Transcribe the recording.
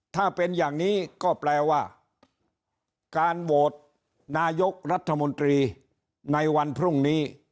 ถ้าเป็นอย่างนี้ก็แปลว่าการโหวตนายกรัฐมนตรีในวันพรุ่งนี้